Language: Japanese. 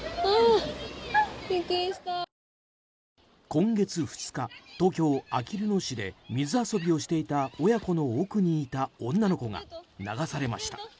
今月２日、東京・あきる野市で水遊びをしていた親子の奥にいた女の子が流されました。